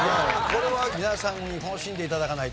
これは皆さんに楽しんで頂かないと。